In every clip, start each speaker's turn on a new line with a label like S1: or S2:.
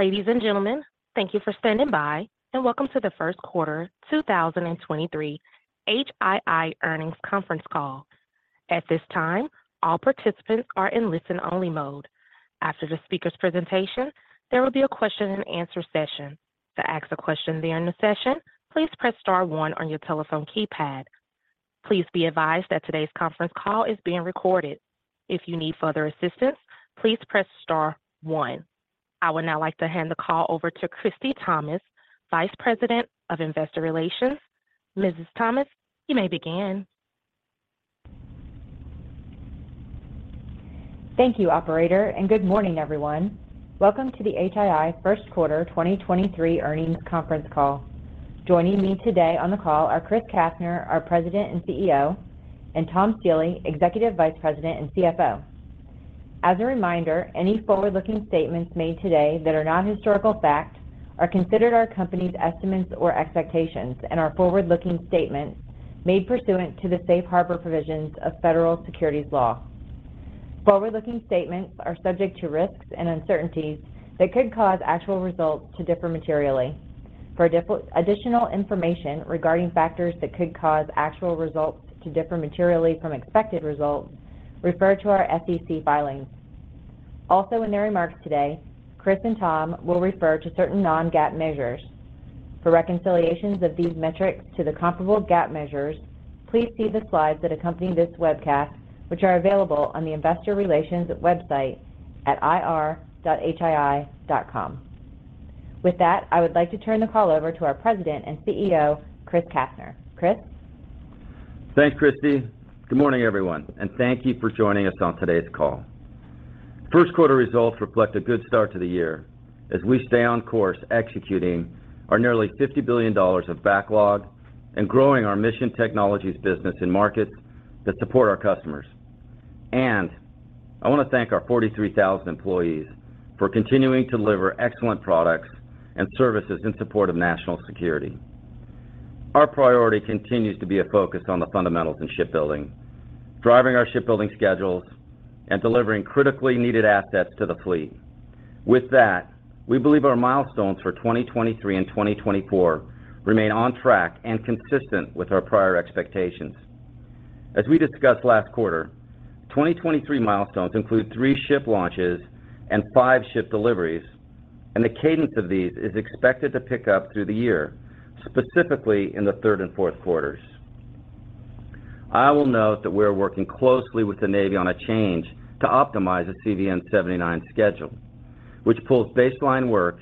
S1: Ladies and gentlemen, thank you for standing by and welcome to the 1st quarter 2023 HII Earnings Conference Call. At this time, all participants are in listen-only mode. After the speaker's presentation, there will be a question and answer session. To ask a question during the session, please press star one on your telephone keypad. Please be advised that today's conference call is being recorded. If you need further assistance, please press star one. I would now like to hand the call over to Christie Thomas, Vice President of Investor Relations. Mrs. Thomas, you may begin.
S2: Thank you, Operator, good morning, everyone. Welcome to the HII Q1 2023 earnings conference call. Joining me today on the call are Chris Kastner, our President and CEO, and Tom Stiehle, Executive Vice President and CFO. As a reminder, any forward-looking statements made today that are not historical facts are considered our company's estimates or expectations and are forward-looking statements made pursuant to the Safe Harbor provisions of federal securities law. For additional information regarding factors that could cause actual results to differ materially from expected results, refer to our SEC filings. In their remarks today, Chris and Tom will refer to certain non-GAAP measures. For reconciliations of these metrics to the comparable GAAP measures, please see the slides that accompany this webcast, which are available on the investor relations website at ir.hii.com. With that, I would like to turn the call over to our President and CEO, Chris Kastner. Chris?
S3: Thanks, Christie. Good morning, everyone, thank you for joining us on today's call. Q1 results reflect a good start to the year as we stay on course executing our nearly $50 billion of backlog and growing our Mission Technologies business in markets that support our customers. I wanna thank our 43,000 employees for continuing to deliver excellent products and services in support of national security. Our priority continues to be a focus on the fundamentals in shipbuilding, driving our shipbuilding schedules and delivering critically needed assets to the fleet. With that, we believe our milestones for 2023 and 2024 remain on track and consistent with our prior expectations. As we discussed last quarter, 2023 milestones include three ship launches and five ship deliveries, and the cadence of these is expected to pick up through the year, specifically in the third and Q4s. I will note that we are working closely with the Navy on a change to optimize the CVN-79 schedule, which pulls baseline work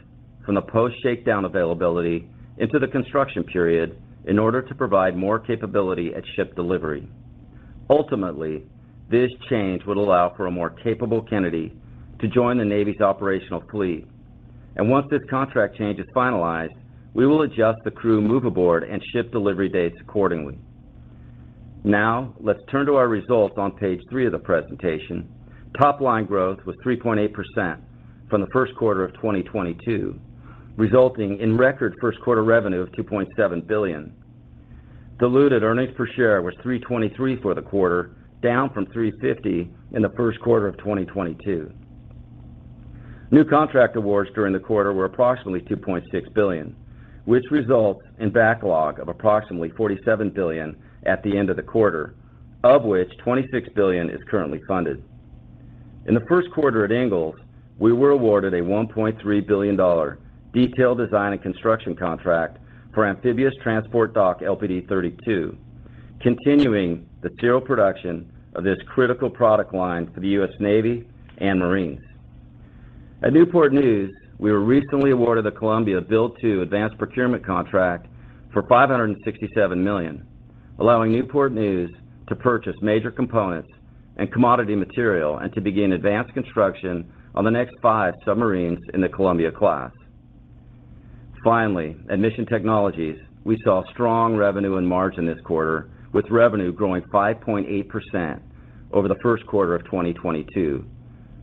S3: from the post-shakedown availability into the construction period in order to provide more capability at ship delivery. Ultimately, this change would allow for a more capable Kennedy to join the Navy's operational fleet. Once this contract change is finalized, we will adjust the crew move aboard and ship delivery dates accordingly. Now, let's turn to our results on page three of the presentation. Top line growth was 3.8% from the Q1 of 2022, resulting in record Q1 revenue of $2.7 billion. Diluted earnings per share was $3.23 for the quarter, down from $3.50 in the Q1 of 2022. New contract awards during the quarter were approximately $2.6 billion, which results in backlog of approximately $47 billion at the end of the quarter, of which $26 billion is currently funded. In the Q1 at Ingalls, we were awarded a $1.3 billion detailed design and construction contract for amphibious transport dock LPD-32, continuing the serial production of this critical product line for the U.S. Navy and Marines. At Newport News, we were recently awarded the Columbia Build Two advanced procurement contract for $567 million, allowing Newport News to purchase major components and commodity material and to begin advanced construction on the next five submarines in the Columbia-class. Finally, at Mission Technologies, we saw strong revenue and margin this quarter, with revenue growing 5.8% over the Q1 of 2022.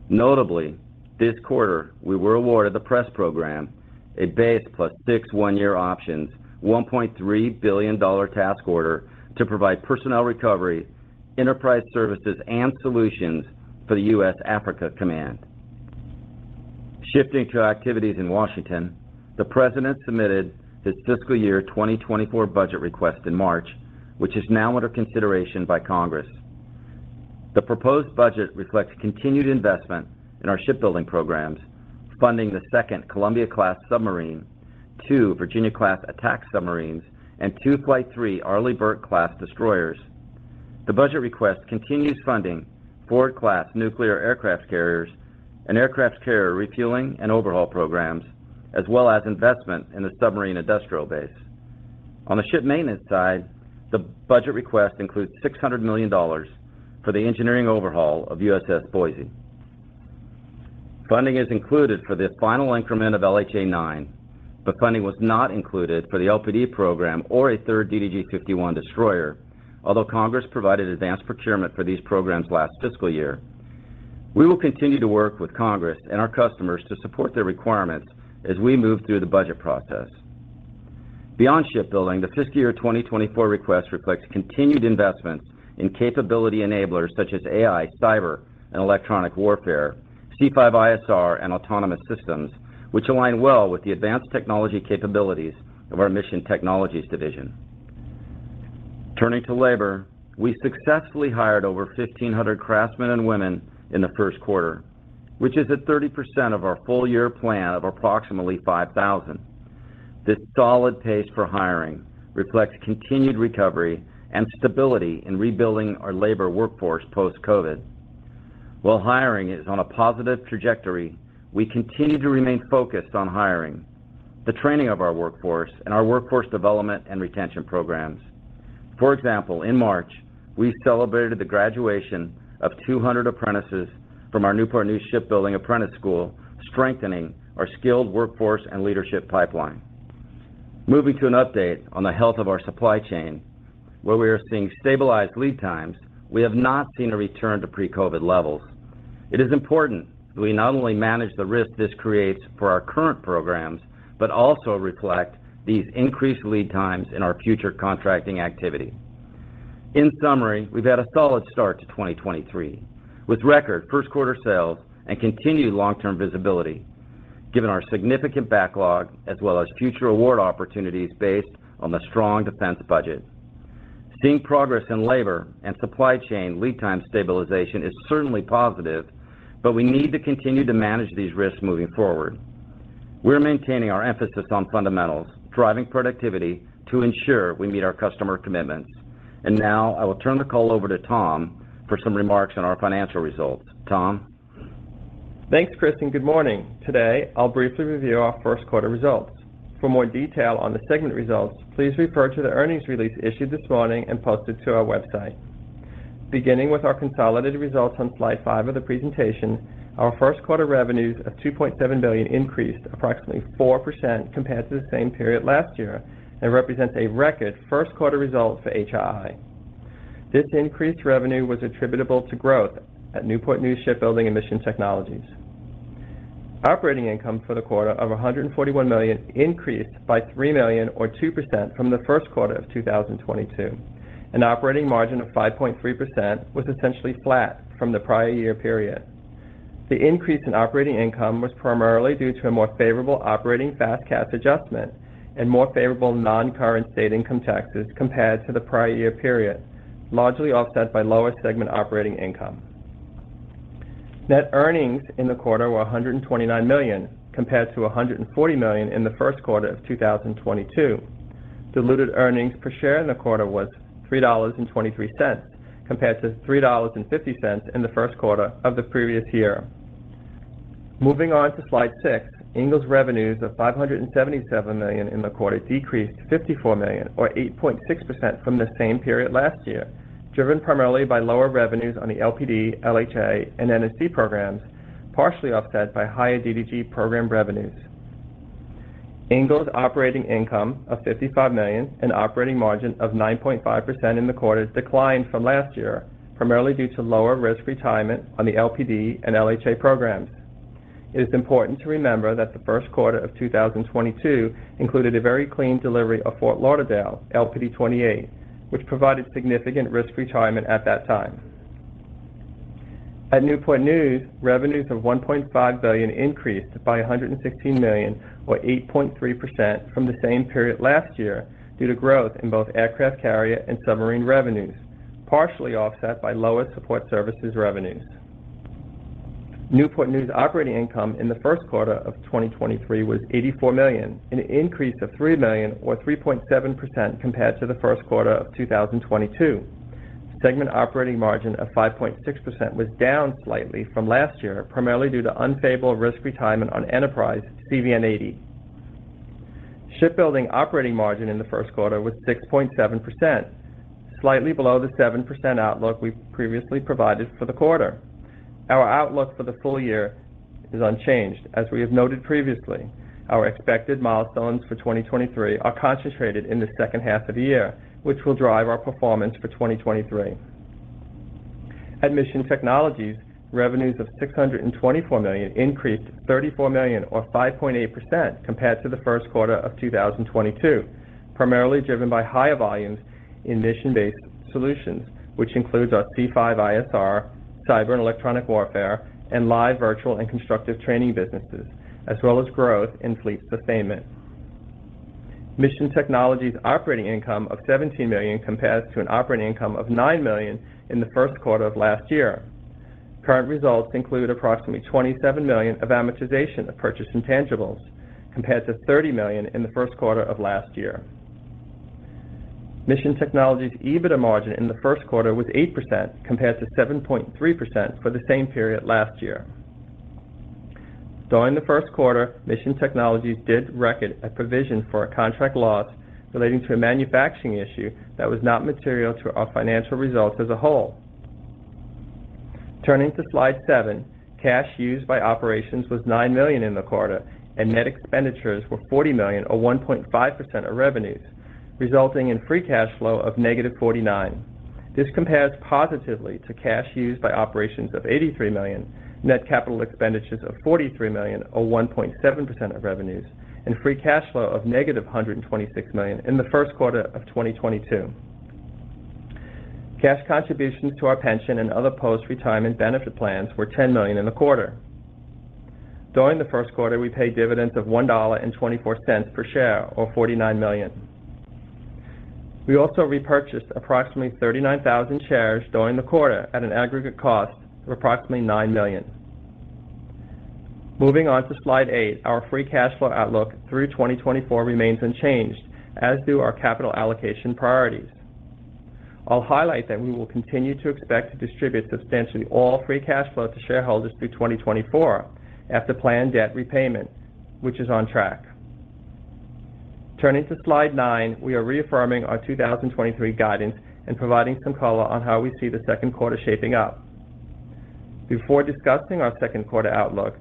S3: Notably, this quarter, we were awarded the PRESS program, a base plus six one-year options, a $1.3 billion task order to provide personnel recovery, enterprise services, and solutions for the US Africa Command. Shifting to activities in Washington, the President submitted his fiscal year 2024 budget request in March, which is now under consideration by Congress. The proposed budget reflects continued investment in our shipbuilding programs, funding the second Columbia-class submarine, two Virginia-class attack submarines, and two Flight III Arleigh Burke-class destroyers. The budget request continues funding Ford-class nuclear aircraft carriers and aircraft carrier refueling and overhaul programs, as well as investment in the submarine industrial base. On the ship maintenance side, the budget request includes $600 million for the engineering overhaul of USS Boise. Funding is included for the final increment of LHA 9, but funding was not included for the LPD program or a third DDG-51 destroyer, although Congress provided advanced procurement for these programs last fiscal year. We will continue to work with Congress and our customers to support their requirements as we move through the budget process. Beyond shipbuilding, the fiscal year 2024 request reflects continued investments in capability enablers such as AI, cyber, and electronic warfare, C5ISR, and autonomous systems, which align well with the advanced technology capabilities of our Mission Technologies division. Turning to labor, we successfully hired over 1,500 craftsmen and women in the Q1, which is at 30% of our full-year plan of approximately 5,000. This solid pace for hiring reflects continued recovery and stability in rebuilding our labor workforce post-COVID. While hiring is on a positive trajectory, we continue to remain focused on hiring, the training of our workforce, and our workforce development and retention programs. For example, in March, we celebrated the graduation of 200 apprentices from our Newport News Shipbuilding Apprentice School, strengthening our skilled workforce and leadership pipeline. Moving to an update on the health of our supply chain, where we are seeing stabilized lead times, we have not seen a return to pre-COVID levels. It is important that we not only manage the risk this creates for our current programs, but also reflect these increased lead times in our future contracting activity. In summary, we've had a solid start to 2023, with record Q1 sales and continued long-term visibility, given our significant backlog as well as future award opportunities based on the strong defense budget. Seeing progress in labor and supply chain lead time stabilization is certainly positive, but we need to continue to manage these risks moving forward. We're maintaining our emphasis on fundamentals, driving productivity to ensure we meet our customer commitments. Now, I will turn the call over to Tom for some remarks on our financial results. Tom?
S4: Thanks, Chris, good morning. Today, I'll briefly review our Q1 results. For more detail on the segment results, please refer to the earnings release issued this morning and posted to our website. Beginning with our consolidated results on Slide 5 of the presentation, our Q1 revenues of $2.7 billion increased approximately 4% compared to the same period last year and represents a record Q1 result for HII. This increased revenue was attributable to growth at Newport News Shipbuilding and Mission Technologies. Operating income for the quarter of $141 million increased by $3 million or 2% from the Q1 of 2022. An operating margin of 5.3% was essentially flat from the prior year period. The increase in operating income was primarily due to a more favorable Operating FAS/CAS Adjustment and more favorable non-current state income taxes compared to the prior year period, largely offset by lower segment operating income. Net earnings in the quarter were $129 million, compared to $140 million in the Q1 of 2022. Diluted earnings per share in the quarter was $3.23, compared to $3.50 in the Q1 of the previous year. Moving on to slide 6, Ingalls' revenues of $577 million in the quarter decreased $54 million or 8.6% from the same period last year, driven primarily by lower revenues on the LPD, LHA, and NSC programs, partially offset by higher DDG program revenues. Ingalls' operating income of $55 million and operating margin of 9.5% in the quarter declined from last year, primarily due to lower risk retirement on the LPD and LHA programs. It is important to remember that the Q1 of 2022 included a very clean delivery of Fort Lauderdale LPD-28, which provided significant risk retirement at that time. At Newport News, revenues of $1.5 billion increased by $116 million or 8.3% from the same period last year due to growth in both aircraft carrier and submarine revenues, partially offset by lower support services revenues. Newport News' operating income in the Q1 of 2023 was $84 million, an increase of $3 million or 3.7% compared to the Q1 of 2022. Segment operating margin of 5.6% was down slightly from last year, primarily due to unfavorable risk retirement on Enterprise CVN-80. Shipbuilding operating margin in the Q1 was 6.7%, slightly below the 7% outlook we previously provided for the quarter. Our outlook for the full year is unchanged. As we have noted previously, our expected milestones for 2023 are concentrated in the second half of the year, which will drive our performance for 2023. At Mission Technologies, revenues of $624 million increased $34 million or 5.8% compared to the Q1 of 2022, primarily driven by higher volumes in mission-based solutions, which includes our C5ISR, cyber and electronic warfare, and Live, Virtual, and Constructive training businesses, as well as growth in fleet sustainment. Mission Technologies' operating income of $17 million compares to an operating income of $9 million in the Q1 of last year. Current results include approximately $27 million of amortization of purchased intangibles, compared to $30 million in the Q1 of last year. Mission Technologies' EBITDA margin in the Q1 was 8%, compared to 7.3% for the same period last year. In the Q1, Mission Technologies did record a provision for a contract loss relating to a manufacturing issue that was not material to our financial results as a whole. Turning to slide 7, cash used by operations was $9 million in the quarter, and net expenditures were $40 million or 1.5% of revenues. Resulting in free cash flow of -$49 million. This compares positively to cash used by operations of $83 million, net capital expenditures of $43 million, or 1.7% of revenues, and free cash flow of -$126 million in the Q1 of 2022. Cash contributions to our pension and other post-retirement benefit plans were $10 million in the quarter. During the Q1, we paid dividends of $1.24 per share, or $49 million. We also repurchased approximately 39,000 shares during the quarter at an aggregate cost of approximately $9 million. Moving on to slide 8, our free cash flow outlook through 2024 remains unchanged, as do our capital allocation priorities. I'll highlight that we will continue to expect to distribute substantially all free cash flow to shareholders through 2024 after planned debt repayment, which is on track. Turning to slide 9, we are reaffirming our 2023 guidance and providing some color on how we see the Q2 shaping up. Before discussing our Q2 outlook,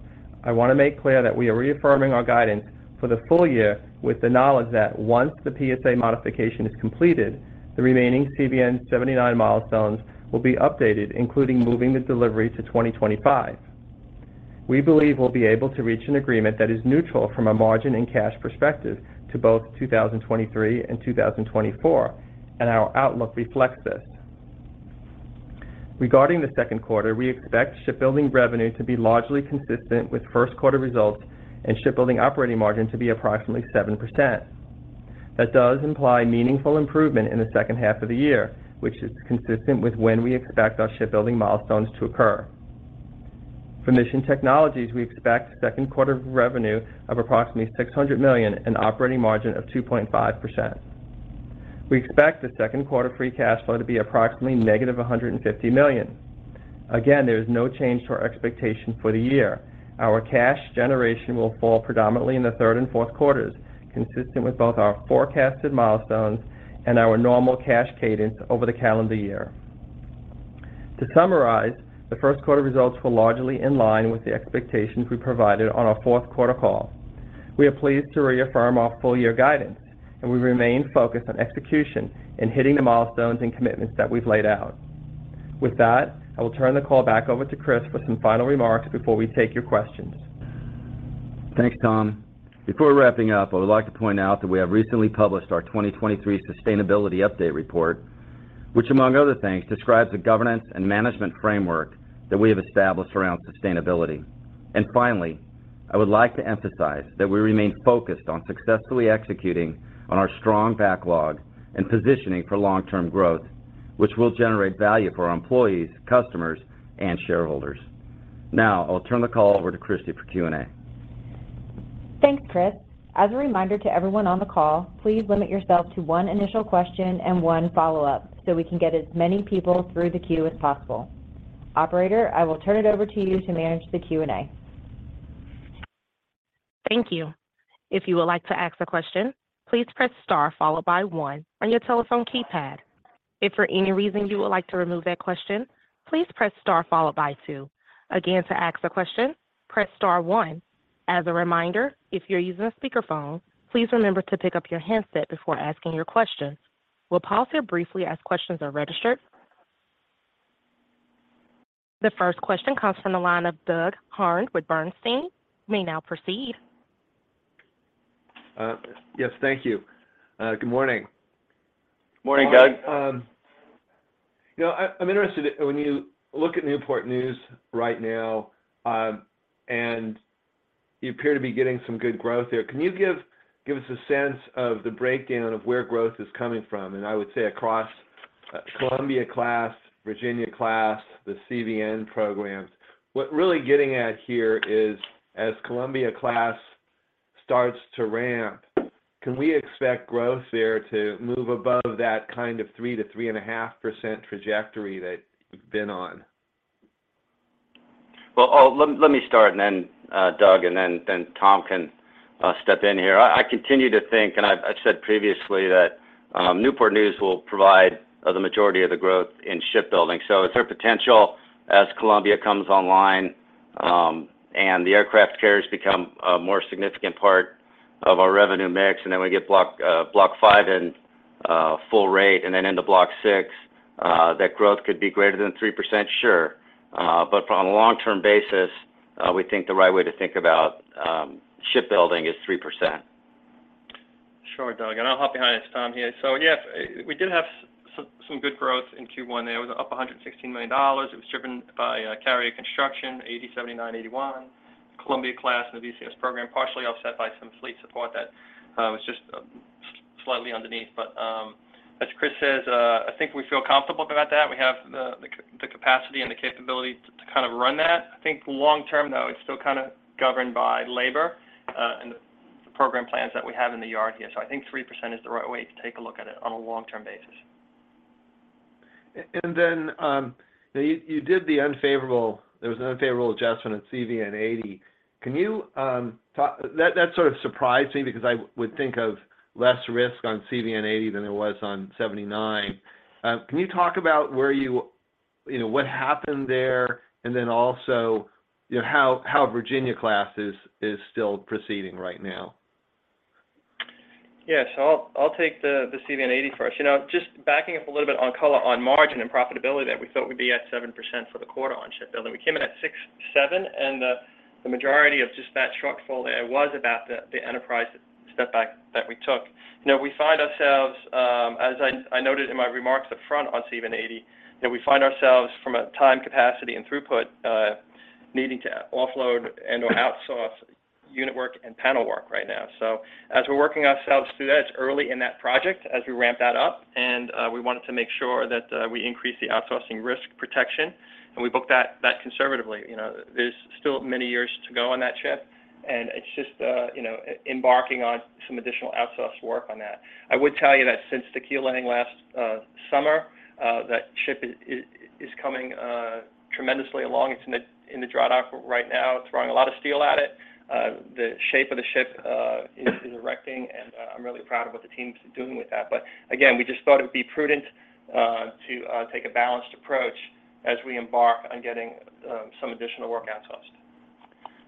S4: I want to make clear that we are reaffirming our guidance for the full year with the knowledge that once the PSA modification is completed, the remaining CVN-79 milestones will be updated, including moving the delivery to 2025. We believe we'll be able to reach an agreement that is neutral from a margin and cash perspective to both 2023 and 2024. Our outlook reflects this. Regarding the Q2, we expect shipbuilding revenue to be largely consistent with Q1 results and shipbuilding operating margin to be approximately 7%. That does imply meaningful improvement in the second half of the year, which is consistent with when we expect our shipbuilding milestones to occur. For Mission Technologies, we expect Q2 revenue of approximately $600 million and operating margin of 2.5%. We expect the Q2 free cash flow to be approximately -$150 million. Again, there is no change to our expectation for the year. Our cash generation will fall predominantly in the third and Q4s, consistent with both our forecasted milestones and our normal cash cadence over the calendar year. To summarize, the Q1 results were largely in line with the expectations we provided on our Q4 call. We are pleased to reaffirm our full year guidance, and we remain focused on execution and hitting the milestones and commitments that we've laid out. With that, I will turn the call back over to Chris for some final remarks before we take your questions.
S3: Thanks, Tom. Before wrapping up, I would like to point out that we have recently published our 2023 sustainability update report, which among other things, describes the governance and management framework that we have established around sustainability. Finally, I would like to emphasize that we remain focused on successfully executing on our strong backlog and positioning for long-term growth, which will generate value for our employees, customers, and shareholders. Now, I'll turn the call over to Christie for Q&A.
S2: Thanks, Chris. As a reminder to everyone on the call, please limit yourself to one initial question and one follow-up so we can get as many people through the queue as possible. Operator, I will turn it over to you to manage the Q&A.
S1: Thank you. If you would like to ask a question, please press star followed by one on your telephone keypad. If for any reason you would like to remove that question, please press star followed by two. Again, to ask a question, press star one. As a reminder, if you're using a speakerphone, please remember to pick up your handset before asking your question. We'll pause here briefly as questions are registered. The first question comes from the line of Doug Harned with Bernstein. You may now proceed.
S5: Yes, thank you. Good morning.
S3: Morning, Doug.
S5: You know, I'm interested, when you look at Newport News right now, and you appear to be getting some good growth there. Can you give us a sense of the breakdown of where growth is coming from? I would say across Columbia-class, Virginia-class, the CVN programs. What really getting at here is as Columbia-class starts to ramp, can we expect growth there to move above that kind of 3% - 3.5% trajectory that you've been on?
S3: Let me start, and then Doug, and then Tom can step in here. I continue to think, and I've said previously, that Newport News will provide the majority of the growth in shipbuilding. Is there potential as Columbia-class comes online, and the aircraft carriers become a more significant part of our revenue mix, and then we get Block V in full rate and then into Block VI, that growth could be greater than 3%? Sure. From a long-term basis, we think the right way to think about shipbuilding is 3%.
S4: Sure, Doug, I'll hop behind as Tom here. Yeah, we did have some good growth in Q1 there. It was up $116 million. It was driven by carrier construction, CVN-79, CVN-81, Columbia-class and the VCS program, partially offset by some fleet support that was just slightly underneath. As Chris says, I think we feel comfortable about that. We have the capacity and the capability to kind of run that. I think long term, though, it's still kind of governed by labor and the program plans that we have in the yard here. I think 3% is the right way to take a look at it on a long-term basis.
S5: There was an unfavorable adjustment in CVN-80. Can you? That sort of surprised me because I would think of less risk on CVN-80 than there was on 79. Can you talk about where you know, what happened there, also, you know, how a Virginia-class is still proceeding right now.
S4: I'll take the CVN-80 first. You know, just backing up a little bit on color on margin and profitability that we thought would be at 7% for the quarter on shipbuilding. We came in at 6.7%, and the majority of just that shortfall there was about the Enterprise step back that we took. You know, we find ourselves, as I noted in my remarks up front on CVN-80, that we find ourselves from a time, capacity, and throughput, needing to offload and/or outsource unit work and panel work right now. As we're working ourselves through that, it's early in that project as we ramp that up, and we wanted to make sure that we increase the outsourcing risk protection, and we book that conservatively. You know, there's still many years to go on that ship, and it's just, you know, embarking on some additional outsource work on that. I would tell you that since the keel laying last summer, that ship is coming tremendously along. It's in the dry dock right now. It's throwing a lot of steel at it. The shape of the ship is erecting, and I'm really proud of what the team's doing with that. Again, we just thought it'd be prudent to take a balanced approach as we embark on getting some additional work outsourced.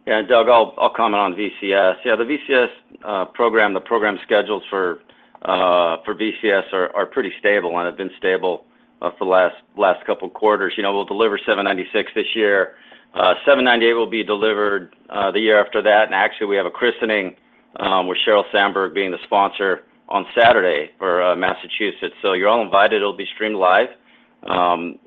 S3: Yeah, Doug, I'll comment on VCS. Yeah, the VCS program, the program schedules for VCS are pretty stable and have been stable for the last couple quarters. You know, we'll deliver 796 this year. 798 will be delivered the year after that. Actually, we have a christening with Sheryl Sandberg being the sponsor on Saturday for Massachusetts. You're all invited. It'll be streamed live. Massachusetts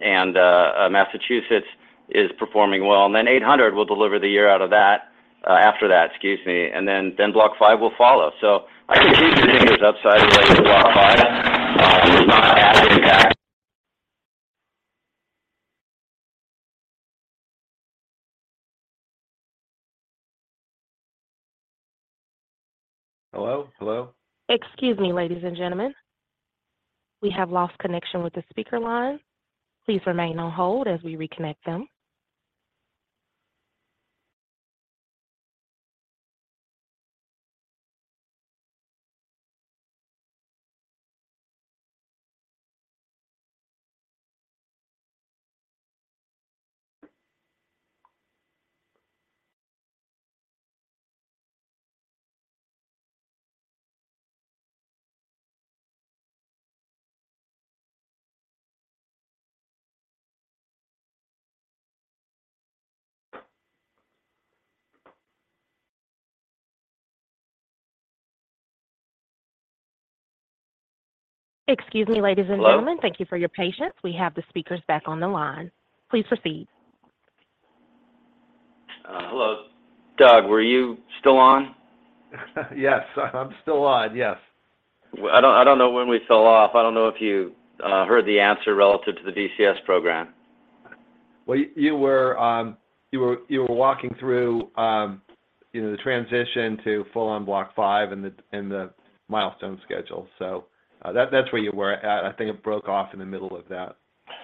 S3: is performing well. Then 800, we'll deliver the year out of that after that, excuse me. Then Block V will follow. I think there's upside related to Block V. There's not an added impact. Hello? Hello?
S1: Excuse me, ladies and gentlemen. We have lost connection with the speaker line. Please remain on hold as we reconnect them. Excuse me, ladies and gentlemen.
S3: Hello?
S1: Thank you for your patience. We have the speakers back on the line. Please proceed.
S3: Hello. Doug, were you still on?
S5: Yes, I'm still on. Yes.
S3: Well, I don't know when we fell off. I don't know if you heard the answer relative to the DCS program.
S5: You, you were walking through, you know, the transition to full-on Block V and the milestone schedule. That's where you were at. I think it broke off in the middle of that.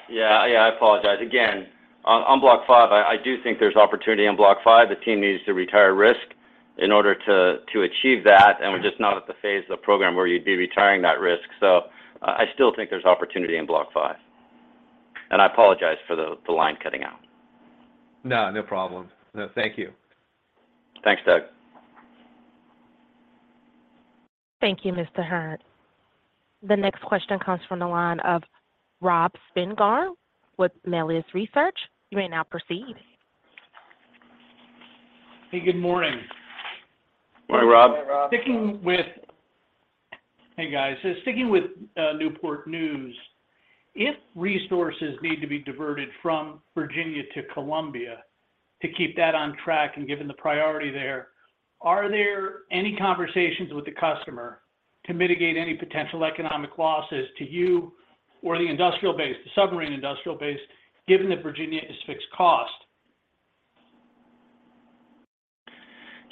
S3: Yeah. Yeah, I apologize. Again, on Block V, I do think there's opportunity on Block V. The team needs to retire risk in order to achieve that, and we're just not at the phase of the program where you'd be retiring that risk. I still think there's opportunity in Block V. I apologize for the line cutting out.
S5: No, no problem. No, thank you.
S3: Thanks, Doug.
S1: Thank you, Christie Hearn. The next question comes from the line of Robert Spingarn with Melius Research. You may now proceed.
S6: Hey, good morning.
S3: Morning, Rob.
S5: Morning, Rob.
S6: Hey, guys. Sticking with Newport News, if resources need to be diverted from Virginia to Columbia-class to keep that on track and given the priority there, are there any conversations with the customer to mitigate any potential economic losses to you or the industrial base, the submarine industrial base, given that Virginia is fixed cost?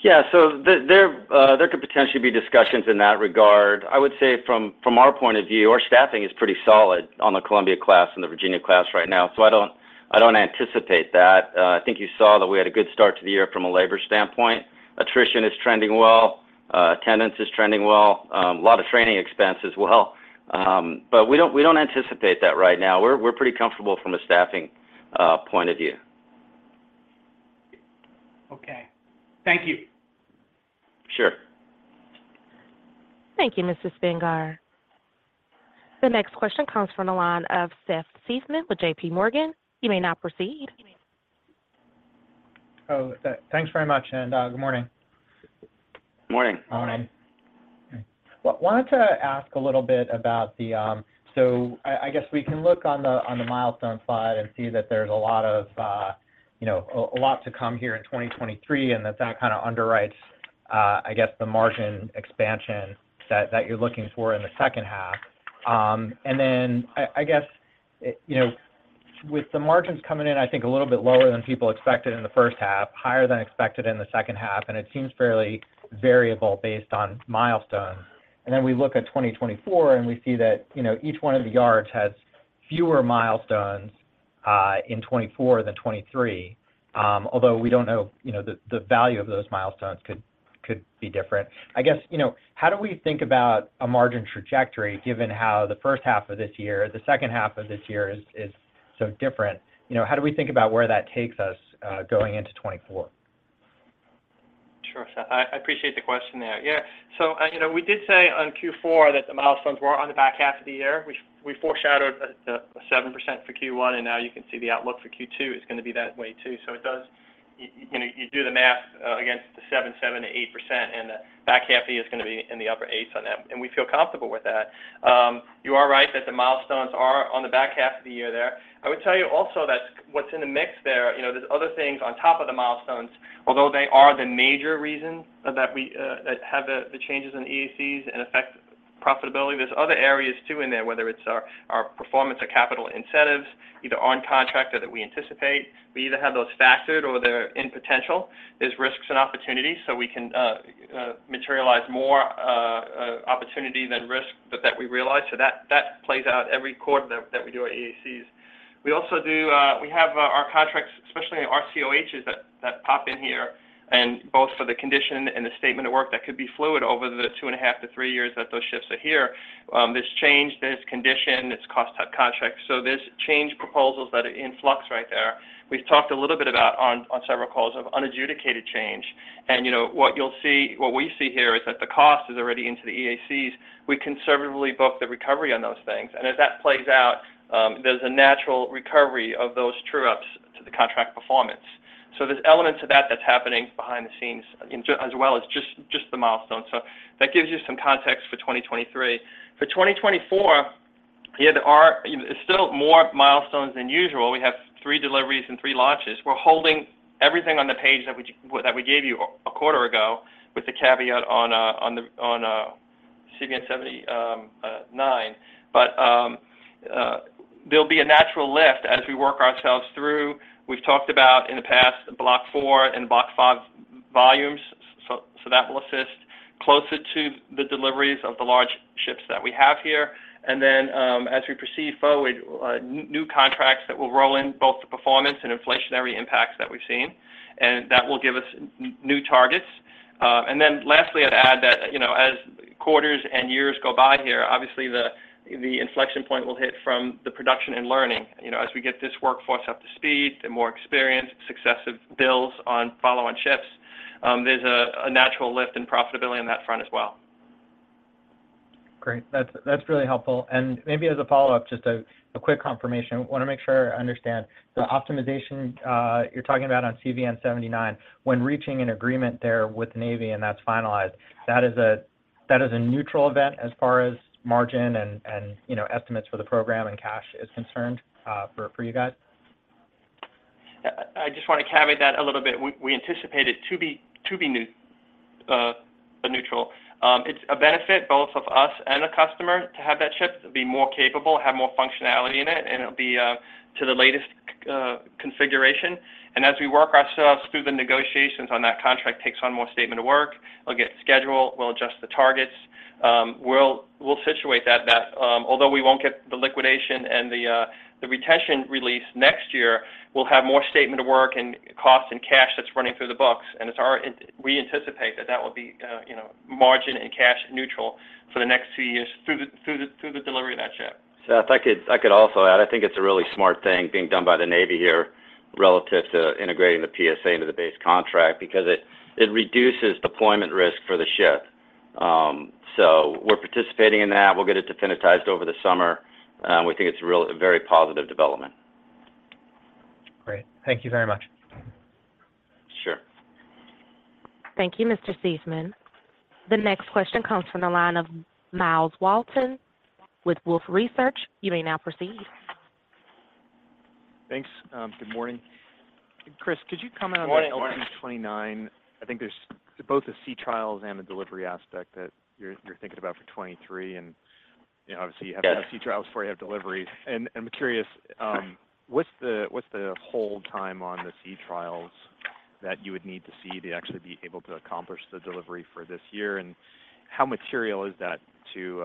S3: Yeah. There could potentially be discussions in that regard. I would say from our point of view, our staffing is pretty solid on the Columbia-class class and the Virginia-class right now, so I don't anticipate that. I think you saw that we had a good start to the year from a labor standpoint. Attrition is trending well. Attendance is trending well. A lot of training expense as well. We don't anticipate that right now. We're pretty comfortable from a staffing point of view.
S6: Okay. Thank you.
S3: Sure.
S1: Thank you, Mr. Spingarn. The next question comes from the line of Seth Seifman with J.P. Morgan. You may now proceed.
S7: Thanks very much. Good morning.
S3: Morning.
S5: Morning.
S7: Wanted to ask a little bit about the. I guess we can look on the, on the milestone slide and see that there's a lot of, you know, a lot to come here in 2023, and that that kinda underwrites, I guess the margin expansion that you're looking for in the second half. I guess, you know, with the margins coming in, I think a little bit lower than people expected in the first half, higher than expected in the second half, and it seems fairly variable based on milestones. We look at 2024, and we see that, you know, each one of the yards has fewer milestones in 24 than 23. Although we don't know, you know, the value of those milestones could be different. I guess, you know, how do we think about a margin trajectory given how the first half of this year, the second half of this year is so different? You know, how do we think about where that takes us going into 2024?
S4: I appreciate the question there. You know, we did say on Q4 that the milestones were on the back half of the year. We foreshadowed the 7% for Q1, and now you can see the outlook for Q2 is going to be that way too. It does, you know, you do the math against the 7%-8%, and the back half is going to be in the upper 8s on that, and we feel comfortable with that. You are right that the milestones are on the back half of the year there. I would tell you also that what's in the mix there, you know, there's other things on top of the milestones, although they are the major reason that we that have the changes in EACs and affect profitability. There's other areas too in there, whether it's our performance or capital incentives, either on contract or that we anticipate. We either have those factored or they're in potential. There's risks and opportunities, so we can materialize more opportunity than risk, but that we realize. That plays out every quarter that we do our EACs. We also do, we have our contracts, especially our COHs that pop in here, and both for the condition and the statement of work that could be fluid over the 2.5 to three years that those ships are here. There's change, there's condition, it's cost type contracts. There's change proposals that are in flux right there. We've talked a little bit about on several calls of unadjudicated change. You know, what you'll see, what we see here is that the cost is already into the EACs. We conservatively book the recovery on those things. As that plays out, there's a natural recovery of those true-ups to the contract performance. There's elements of that that's happening behind the scenes as well as just the milestones. That gives you some context for 2023. For 2024, yeah, there are still more milestones than usual. We have three deliveries and three launches. We're holding everything on the page that we that we gave you a quarter ago with the caveat on the CVN-79. There'll be a natural lift as we work ourselves through. We've talked about in the past Block IV and Block V volumes, so that will assist closer to the deliveries of the large ships that we have here. Then, as we proceed forward, new contracts that will roll in both the performance and inflationary impacts that we've seen, and that will give us new targets. Then lastly, I'd add that, you know, as quarters and years go by here, obviously the inflection point will hit from the production and learning. You know, as we get this workforce up to speed, they're more experienced, successive builds on follow-on ships, there's a natural lift in profitability on that front as well.
S7: Great. That's, that's really helpful. Maybe as a follow-up, just a quick confirmation. Want to make sure I understand. The optimization, you're talking about on CVN-79, when reaching an agreement there with Navy and that's finalized, that is a neutral event as far as margin and, you know, estimates for the program and cash is concerned, for you guys?
S4: I just want to caveat that a little bit. We anticipate it to be neutral. It's a benefit both of us and the customer to have that ship be more capable, have more functionality in it, and it'll be to the latest configuration. As we work ourselves through the negotiations on that contract takes on more statement of work. It'll get schedule, we'll adjust the targets. We'll situate that, although we won't get the liquidation and the retention release next year, we'll have more statement of work and cost and cash that's running through the books. We anticipate that that will be, you know, margin and cash neutral for the next 2 years through the delivery of that ship.
S3: Seth, I could also add, I think it's a really smart thing being done by the Navy here relative to integrating the PSA into the base contract because it reduces deployment risk for the ship. We're participating in that. We'll get it definitized over the summer. We think it's a very positive development.
S7: Great. Thank you very much.
S3: Sure.
S1: Thank you, Seth Seifman. The next question comes from the line of Myles Walton with Wolfe Research. You may now proceed.
S8: Thanks. Good morning. Chris, could you comment on the LPD-29?
S3: Good morning.
S8: I think there's both the sea trials and the delivery aspect that you're thinking about for 23. You know, obviously you have to have sea trials before you have delivery. I'm curious, what's the hold time on the sea trials that you would need to see to actually be able to accomplish the delivery for this year? How material is that to, you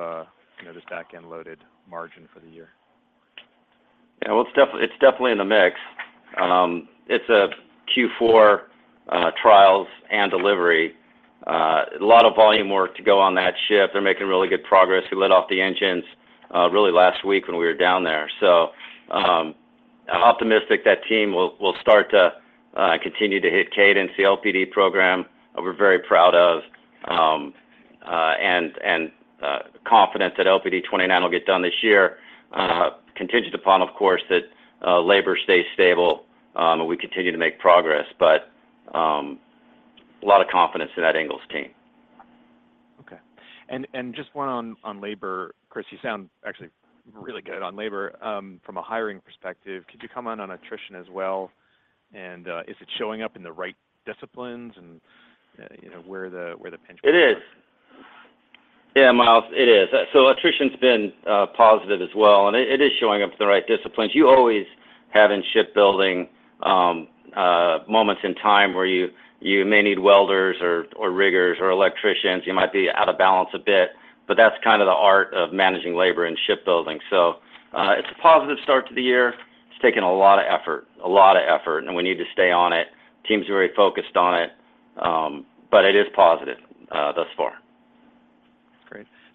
S8: know, this back-end loaded margin for the year?
S3: Well, it's definitely in the mix. It's a Q4 trials and delivery. A lot of volume work to go on that ship. They're making really good progress. We lit off the engines really last week when we were down there. I'm optimistic that team will start to continue to hit cadence. The LPD program we're very proud of and confident that LPD-29 will get done this year contingent upon, of course, that labor stays stable and we continue to make progress. A lot of confidence in that Ingalls team.
S8: Okay. Just one on labor. Chris, you sound actually really good on labor. From a hiring perspective, could you comment on attrition as well? Is it showing up in the right disciplines and you know, where the pinch points are?
S3: It is. Yeah, Myles, it is. Attrition's been positive as well, and it is showing up in the right disciplines. You always have in shipbuilding moments in time where you may need welders or riggers or electricians. You might be out of balance a bit, but that's kind of the art of managing labor in shipbuilding. It's a positive start to the year. It's taken a lot of effort, and we need to stay on it. Team's very focused on it, but it is positive thus far.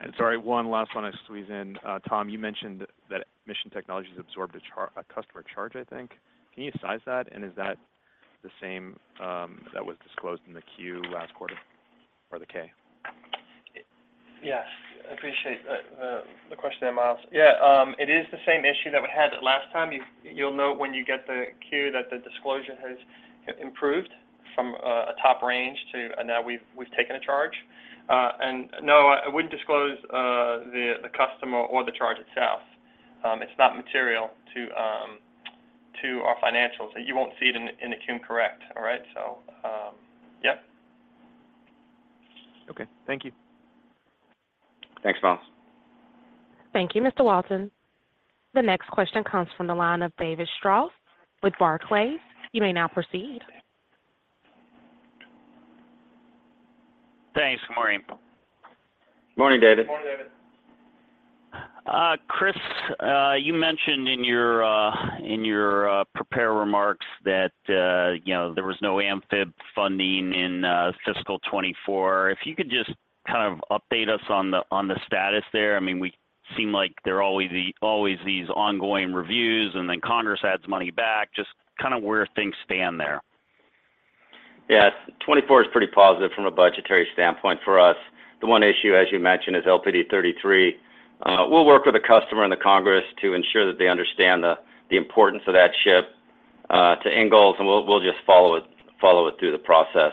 S8: Great. Sorry, one last one I'll squeeze in. Tom, you mentioned that Mission Technologies absorbed a customer charge, I think. Can you size that? Is that the same that was disclosed in the Q last quarter or the K?
S4: Yes. Appreciate the question there, Myles. It is the same issue that we had last time. You'll note when you get the Q that the disclosure has improved from a top range to a now we've taken a charge. No, I wouldn't disclose the customer or the charge itself. It's not material to our financials. You won't see it in the Q, correct. All right. Yep.
S8: Okay. Thank you.
S3: Thanks, Myles.
S1: Thank you, Mr. Walton. The next question comes from the line of David Strauss with Barclays. You may now proceed.
S9: Thanks. Good morning.
S3: Morning, David.
S4: Morning, David.
S9: Chris, you mentioned in your prepared remarks that, you know, there was no AMPHIB funding in fiscal 2024. If you could just kind of update us on the status there? I mean, we seem like there are always always these ongoing reviews, and then Congress adds money back. Just kind of where things stand there?
S3: Yeah. 24 is pretty positive from a budgetary standpoint for us. The one issue, as you mentioned, is LPD 33. We'll work with the customer and the United States Congress to ensure that they understand the importance of that ship to Ingalls, and we'll just follow it through the process.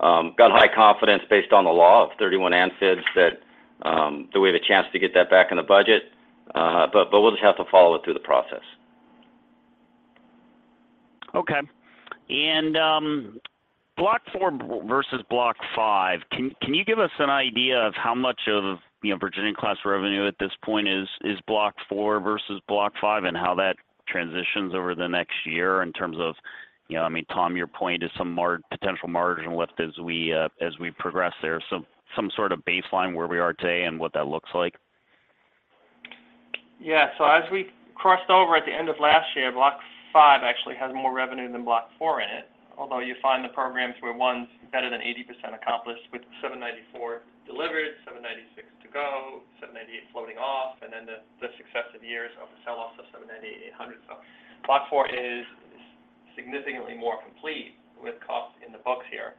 S3: Got high confidence based on the law of 31 AMPHIBs that we have a chance to get that back in the budget, but we'll just have to follow it through the process.
S9: Okay. Block IV versus Block V, can you give us an idea of how much of, you know, Virginia-class revenue at this point is Block IV versus Block V and how that transitions over the next year in terms of, you know, I mean, Tom, your point is some potential margin lift as we progress there. Some sort of baseline where we are today and what that looks like.
S4: As we crossed over at the end of last year, Block V actually has more revenue than Block IV in it. Although you find the programs where one's better than 80% accomplished with SSN-794 delivered, SSN-796 to go, SSN-798 floating off, and then the successive years of the sell-off of SSN-798 100. Block IV is significantly more complete with costs in the books here.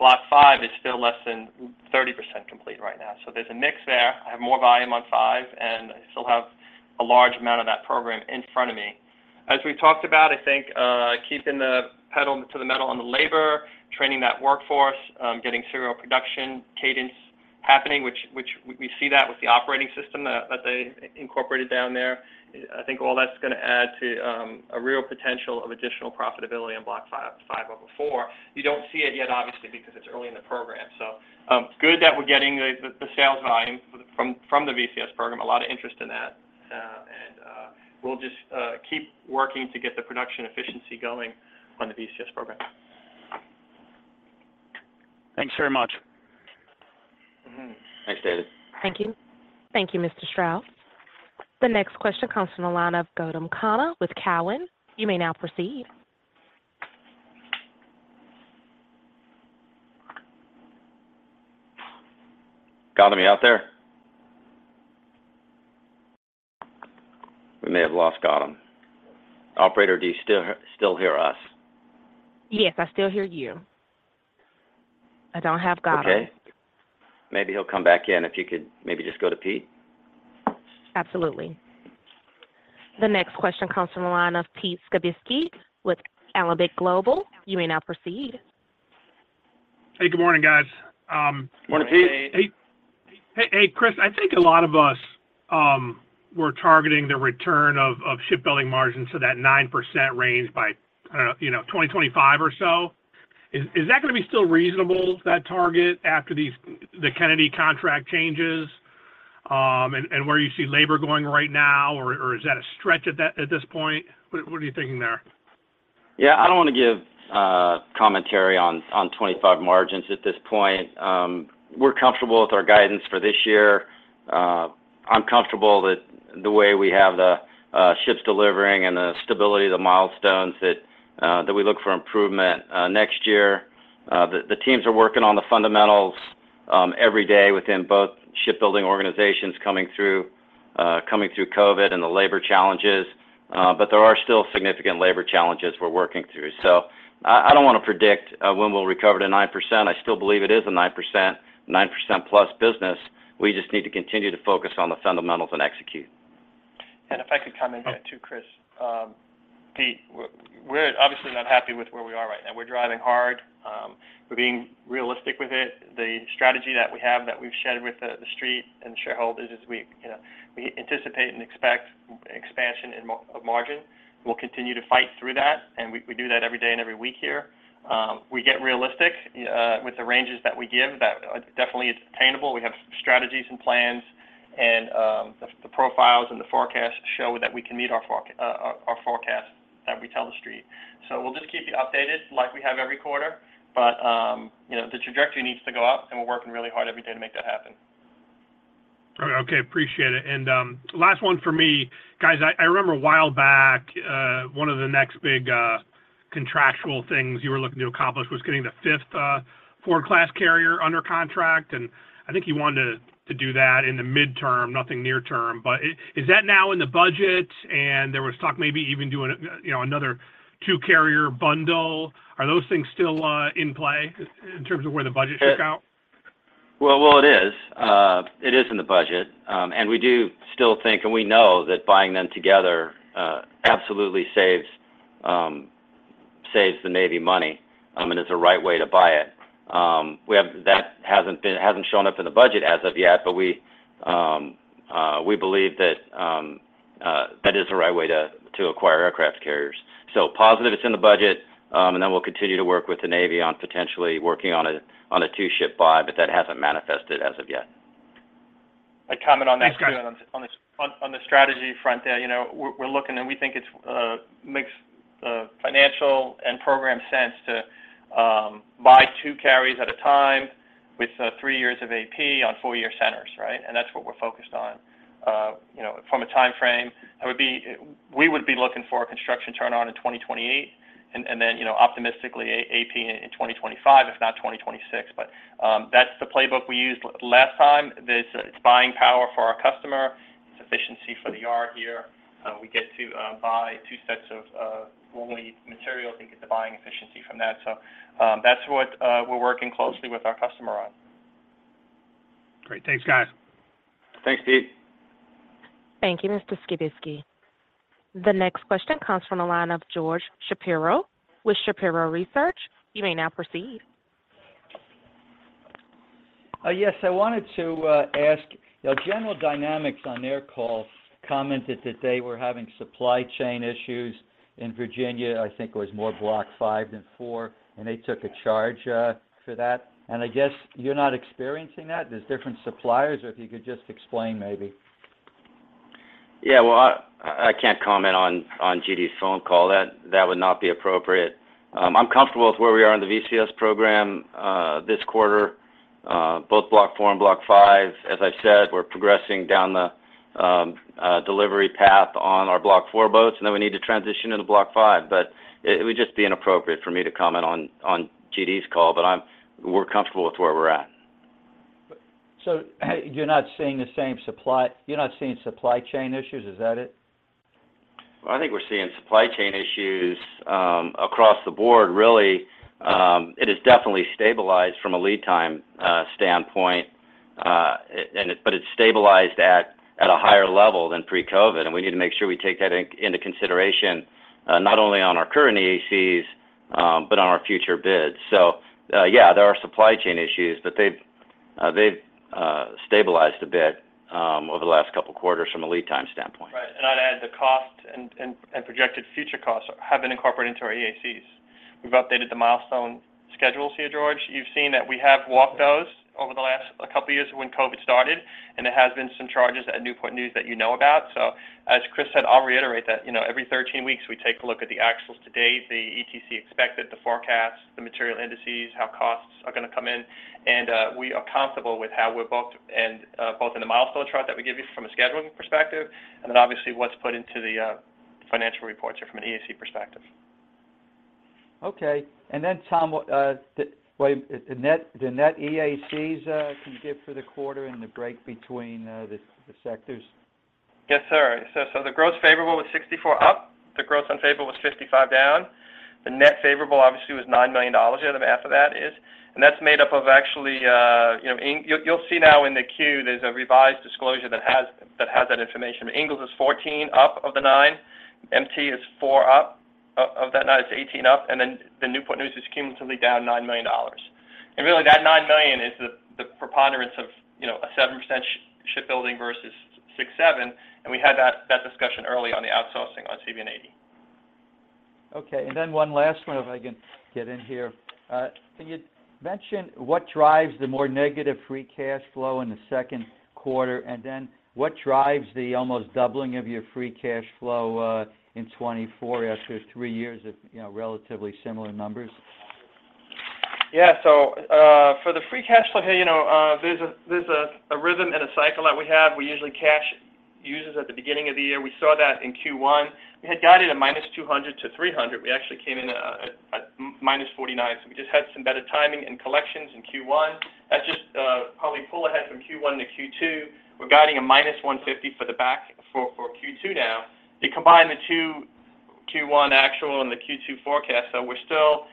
S4: Block V is still less than 30% complete right now. There's a mix there. I have more volume on Block V, and I still have a large amount of that program in front of me. As we've talked about, I think, keeping the pedal to the metal on the labor, training that workforce, getting serial production cadence happening, which we see that with the operating system that they incorporated down there. I think all that's gonna add to a real potential of additional profitability on Block V over IV. You don't see it yet, obviously, because it's early in the program. Good that we're getting the sales volume from the VCS program. A lot of interest in that. We'll just keep working to get the production efficiency going on the VCS program.
S9: Thanks very much.
S3: Mm-hmm. Thanks, David.
S1: Thank you. Thank you, Mr. Strauss. The next question comes from the line of Gautam Khanna with Cowen. You may now proceed.
S3: Gautam, you out there? We may have lost Gautam. Operator, do you still hear us?
S1: Yes. I still hear you. I don't have Gautam.
S3: Okay. Maybe he'll come back in. If you could maybe just go to Pete.
S1: Absolutely. The next question comes from the line of Pete Skibitski with Alembic Global Advisors. You may now proceed.
S10: Hey, good morning, guys.
S3: Morning, Pete.
S4: Hey.
S10: Hey, hey, Chris, I think a lot of us, were targeting the return of shipbuilding margins to that 9% range by, I don't know, you know, 2025 or so. Is that gonna be still reasonable, that target, after these, the Kennedy contract changes, and where you see labor going right now, or is that a stretch at this point? What are you thinking there?
S3: Yeah. I don't wanna give commentary on 25 margins at this point. We're comfortable with our guidance for this year. I'm comfortable that the way we have the ships delivering and the stability of the milestones that we look for improvement next year. The teams are working on the fundamentals every day within both shipbuilding organizations coming through COVID and the labor challenges. There are still significant labor challenges we're working through. I don't wanna predict when we'll recover to 9%. I still believe it is a 9%, 9% plus business. We just need to continue to focus on the fundamentals and execute.
S4: If I could come in here too, Chris. Pete, we're obviously not happy with where we are right now. We're driving hard. We're being realistic with it. The strategy that we have that we've shared with the street and shareholders is we anticipate and expect expansion in of margin. We'll continue to fight through that, and we do that every day and every week here. We get realistic with the ranges that we give that definitely it's attainable. We have strategies and plans and the profiles and the forecasts show that we can meet our forecast that we tell the street. We'll just keep you updated like we have every quarter. You know, the trajectory needs to go up, and we're working really hard every day to make that happen. Okay, appreciate it. Last one for me. Guys, I remember a while back, one of the next big contractual things you were looking to accomplish was getting the 5th Ford-class carrier under contract, and I think you wanted to do that in the midterm, nothing near term. Is that now in the budget? There was talk maybe even doing, you know, another 2 carrier bundle. Are those things still in play in terms of where the budget shook out?
S3: Well, it is. It is in the budget. We do still think, and we know that buying them together, absolutely saves the Navy money, and it's a right way to buy it. That hasn't been, hasn't shown up in the budget as of yet, but we believe that that is the right way to acquire aircraft carriers. Positive it's in the budget, and then we'll continue to work with the Navy on potentially working on a 2-ship buy, but that hasn't manifested as of yet.
S10: Thanks, guys.
S3: A comment on that, too, on the strategy front there. You know, we're looking, and we think it makes financial and program sense to buy two carriers at a time with three years of AP on 4-year centers, right? That's what we're focused on. You know, from a timeframe, we would be looking for a construction turn on in 2028 and then, you know, optimistically AP in 2025, if not 2026. That's the playbook we used last time. It's buying power for our customer, it's efficiency for the yard here. We get to buy two sets of long-lead material and get the buying efficiency from that. That's what we're working closely with our customer on.
S10: Great. Thanks, guys.
S3: Thanks, Pete.
S1: Thank you, Mr. Skibitski. The next question comes from the line of George Shapiro with Shapiro Research. You may now proceed.
S11: Yes, I wanted to ask, you know, General Dynamics on their call commented that they were having supply chain issues in Virginia. I think it was more Block V than IV, and they took a charge for that. I guess you're not experiencing that, there's different suppliers, or if you could just explain maybe?
S3: Yeah. Well, I can't comment on General Dynamics' phone call. That would not be appropriate. I'm comfortable with where we are in the VCS program this quarter, both Block IV and Block V. As I said, we're progressing down the delivery path on our Block IV boats. We need to transition to the Block V. It would just be inappropriate for me to comment on General Dynamics' call. We're comfortable with where we're at.
S11: You're not seeing supply chain issues, is that it?
S3: I think we're seeing supply chain issues across the board really. It is definitely stabilized from a lead time standpoint. But it's stabilized at a higher level than pre-COVID, and we need to make sure we take that into consideration not only on our current EACs but on our future bids. Yeah, there are supply chain issues, but they've stabilized a bit over the last couple quarters from a lead time standpoint.
S4: Right. I'd add the cost and projected future costs have been incorporated into our EACs. We've updated the milestone schedules here, George. You've seen that we have walked those over the last couple years when COVID started. There has been some charges at Newport News that you know about. As Chris said, I'll reiterate that, you know, every 13 weeks we take a look at the actuals to date, the ETC expected, the forecast, the material indices, how costs are gonna come in, and we are comfortable with how we're both in the milestone chart that we give you from a scheduling perspective, and then obviously what's put into the financial reports or from an EAC perspective.
S11: Okay. Then Tom, what, the net EACs, can you give for the quarter and the break between, the sectors?
S4: Yes, sir. The gross favorable was 64 up. The gross unfavorable was 55 down. The net favorable obviously was $9 million, whatever the math of that is. That's made up of actually, you know, you'll see now in the queue, there's a revised disclosure that has that information. Ingalls is 14 up of the 9. MT is 4 up of that 9, it's 18 up. The Newport News is cumulatively down $9 million. Really that $9 million is the preponderance of, you know, a 7% shipbuilding versus 6.7%, and we had that discussion early on the outsourcing on CVN-80.
S11: Okay. Then one last one if I can get in here. Can you mention what drives the more negative free cash flow in the Q2? Then what drives the almost doubling of your free cash flow in 2024 after three years of, you know, relatively similar numbers?
S4: For the free cash flow here, you know, there's a rhythm and a cycle that we have. We usually cash uses at the beginning of the year. We saw that in Q1. We had guided at -$200 million to -$300 million. We actually came in at -$49 million. We just had some better timing in collections in Q1. That just probably pull ahead from Q1 to Q2. We're guiding -$150 million for Q2 now. You combine the two Q1 actual and the Q2 forecast, we're still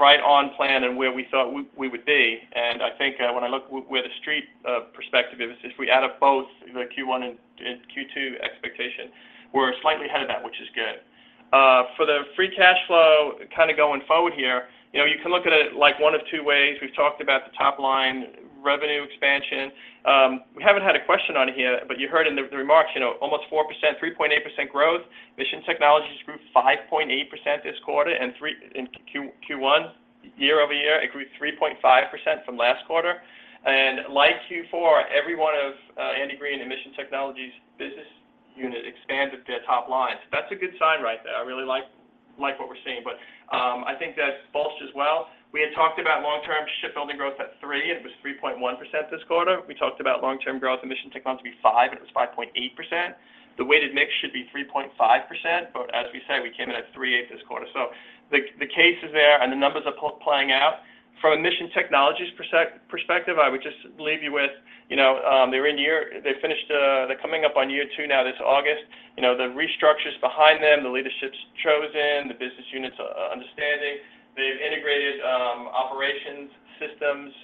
S4: right on plan and where we thought we would be. I think when I look where the street perspective is, if we add up both the Q1 and Q2 expectation, we're slightly ahead of that, which is good. For the free cash flow kind of going forward here, you know, you can look at it like one of two ways. We've talked about the top line revenue expansion. We haven't had a question on here, but you heard in the remarks, you know, almost 4%, 3.8% growth. Mission Technologies grew 5.8% this quarter and three in Q1 year-over-year. It grew 3.5% from last quarter. Like Q4, every one of Andy Green and Mission Technologies business unit expanded their top line. That's a good sign right there. I really like what we're seeing. I think that bolsters as well. We had talked about long-term shipbuilding growth at three, and it was 3.1% this quarter. We talked about long-term growth Mission Technologies to be 5, it was 5.8%. The weighted mix should be 3.5%. As we said, we came in at 3.8% this quarter. The case is there and the numbers are playing out. From a Mission Technologies perspective, I would just leave you with, you know, they finished, they're coming up on year 2 now this August. You know, the restructures behind them, the leadership's chosen, the business units understanding. They've integrated operations, systems,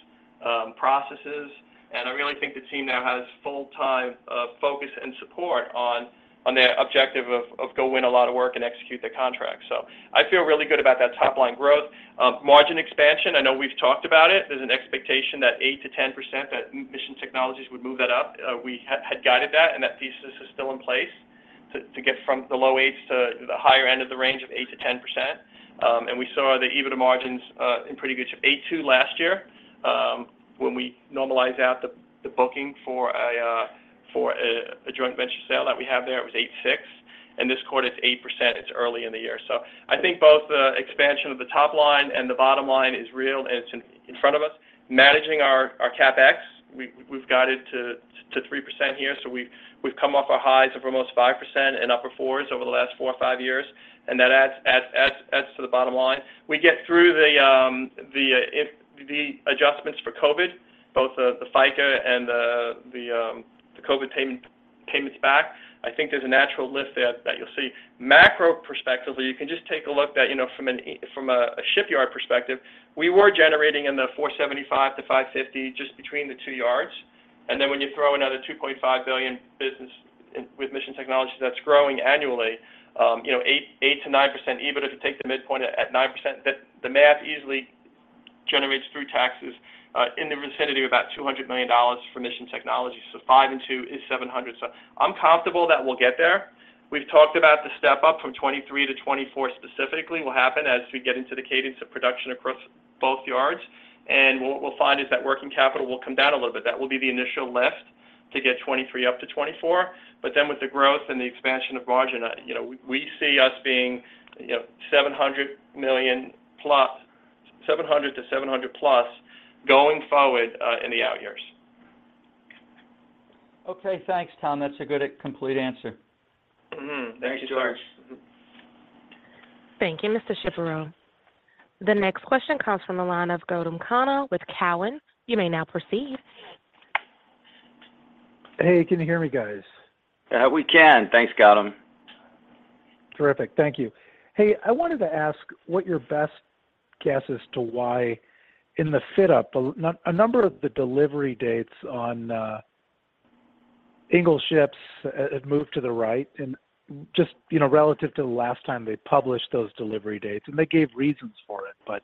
S4: processes, and I really think the team now has full-time focus and support on the objective of go win a lot of work and execute the contract. I feel really good about that top line growth. Margin expansion, I know we've talked about it. There's an expectation that 8%-10%, that Mission Technologies would move that up. We had guided that thesis is still in place to get from the low 8s to the higher end of the range of 8%-10%. We saw the EBITDA margins in pretty good shape. 8.2% last year, when we normalize out the booking for a joint venture sale that we have there, it was 8.6%. This quarter it's 8%. It's early in the year. I think both the expansion of the top line and the bottom line is real, and it's in front of us. Managing our CapEx, we've got it to 3% here. We've come off our highs of almost 5% and upper 4s over the last 4 or 5 years, and that adds to the bottom line. We get through the adjustments for COVID, both the FICA and the COVID payments back. I think there's a natural lift there that you'll see. Macro perspectively, you can just take a look at from a shipyard perspective, we were generating in the $475-$550 just between the two yards. When you throw another $2.5 billion business with Mission Technologies that's growing annually, you know, 8%-9%, even if you take the midpoint at 9%, the math easily generates through taxes in the vicinity of about $200 million for Mission Technologies. 5 and 2 is 700. I'm comfortable that we'll get there. We've talked about the step up from 2023 to 2024 specifically will happen as we get into the cadence of production across both yards. What we'll find is that working capital will come down a little bit. That will be the initial lift to get 2023 up to 2024. With the growth and the expansion of margin, you know, we see us being, you know, $700 million plus, $700 to $700 plus going forward in the out years.
S3: Okay. Thanks, Tom. That's a good complete answer.
S11: Mm-hmm. Thank you, George.
S1: Thank you, Mr. Shapiro. The next question comes from the line of Gautam Khanna with Cowen. You may now proceed.
S12: Hey, can you hear me, guys?
S3: We can. Thanks, Gautam.
S12: Terrific. Thank you. I wanted to ask what your best guess as to why in the fit-up, a number of the delivery dates on Ingalls ships had moved to the right and just, you know, relative to the last time they published those delivery dates, and they gave reasons for it.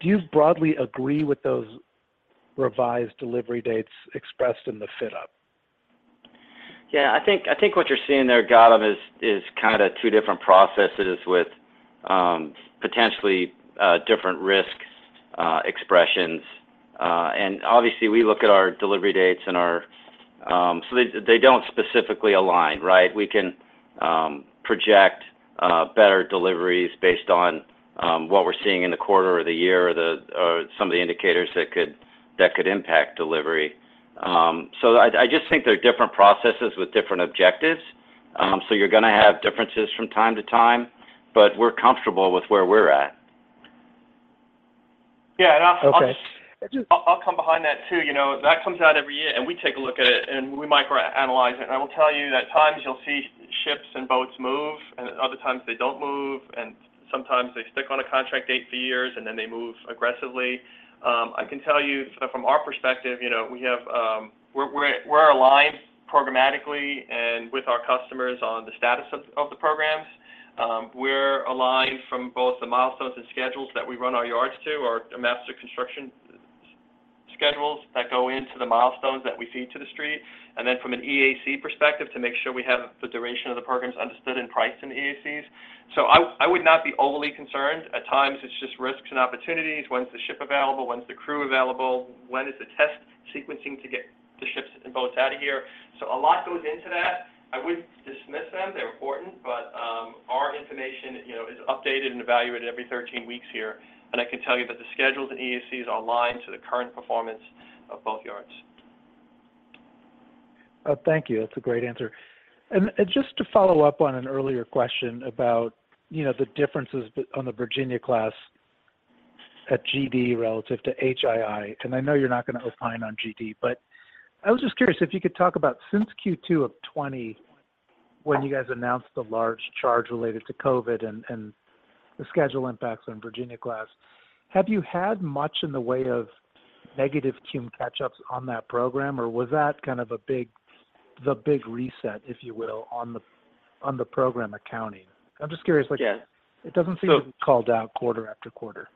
S12: Do you broadly agree with those revised delivery dates expressed in the fit-up?
S3: Yeah. I think what you're seeing there, Gautam, is kind of two different processes with potentially different risk expressions. Obviously we look at our delivery dates and our... They don't specifically align, right? We can project better deliveries based on what we're seeing in the quarter or the year or some of the indicators that could impact delivery. I just think they're different processes with different objectives. You're gonna have differences from time to time, but we're comfortable with where we're at.
S12: Yeah.
S3: Okay.
S4: I'll come behind that too, you know. That comes out every year, we take a look at it and we microanalyze it. I will tell you at times you'll see ships and boats move, and other times they don't move, and sometimes they stick on a contract date for years, and then they move aggressively. I can tell you from our perspective, you know, we have, we're aligned programmatically and with our customers on the status of the programs. We're aligned from both the milestones and schedules that we run our yards to, our master construction schedules that go into the milestones that we feed to the street. Then from an EAC perspective, to make sure we have the duration of the programs understood and priced in the EACs. I would not be overly concerned. At times, it's just risks and opportunities. When's the ship available? When's the crew available? When is the test sequencing to get the ships and boats out of here? A lot goes into that. I wouldn't dismiss them. They're important. Our information, you know, is updated and evaluated every 13 weeks here. I can tell you that the schedules and EACs are aligned to the current performance of both yards.
S12: Thank you. That's a great answer. Just to follow up on an earlier question about, you know, the differences on the Virginia-class at GD relative to HII, I know you're not gonna opine on GD, but I was just curious if you could talk about since Q2 of 2020, when you guys announced the large charge related to COVID and the schedule impacts on Virginia-class, have you had much in the way of negative cum catch-ups on that program, or was that kind of the big reset, if you will, on the program accounting? I'm just curious.
S3: Yeah.
S12: It doesn't seem to be called out quarter after quarter.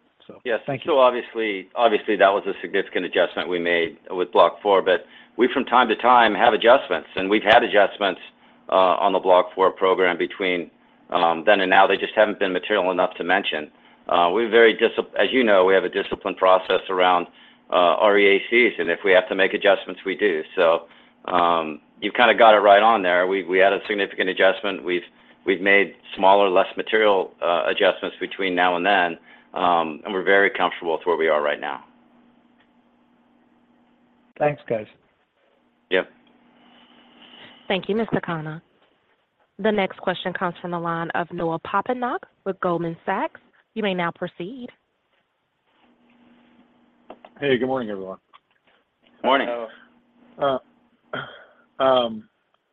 S12: Thank you.
S3: Obviously that was a significant adjustment we made with Block IV, but we from time to time have adjustments, and we've had adjustments on the Block IV program between then and now. They just haven't been material enough to mention. We're very, as you know, we have a disciplined process around REA, and if we have to make adjustments, we do. You've kind of got it right on there. We had a significant adjustment. We've made smaller, less material adjustments between now and then, and we're very comfortable with where we are right now.
S4: Thanks, guys.
S3: Yep.
S1: Thank you, Mr. Connor. The next question comes from the line of Noah Poponak with Goldman Sachs. You may now proceed.
S13: Hey, good morning, everyone.
S3: Morning.
S4: Hello.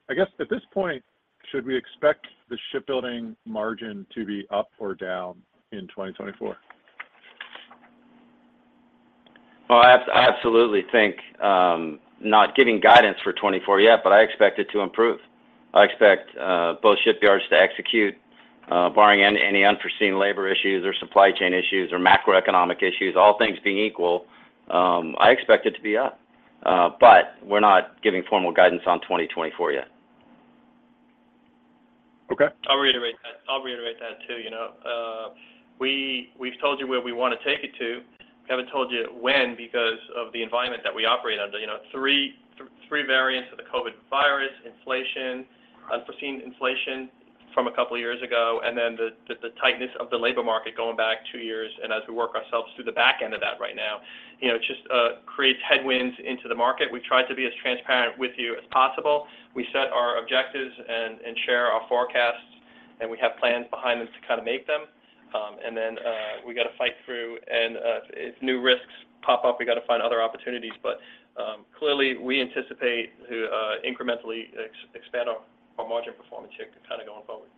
S13: I guess at this point, should we expect the shipbuilding margin to be up or down in 2024?
S3: I absolutely think, not giving guidance for 2024 yet, but I expect it to improve. I expect both shipyards to execute, barring any unforeseen labor issues or supply chain issues or macroeconomic issues, all things being equal, I expect it to be up. We're not giving formal guidance on 2024 yet.
S13: Okay.
S4: I'll reiterate that. I'll reiterate that, too. You know, we've told you where we wanna take it to. We haven't told you when because of the environment that we operate under. You know, 3 variants of the COVID virus, inflation, unforeseen inflation from a couple of years ago, and then the tightness of the labor market going back 2 years, and as we work ourselves through the back end of that right now. You know, it just creates headwinds into the market. We've tried to be as transparent with you as possible. We set our objectives and share our forecasts, and we have plans behind them to kinda make them. Then, we gotta fight through and, if new risks pop up, we gotta find other opportunities. clearly, we anticipate to incrementally expand our margin performance here to kinda going forward.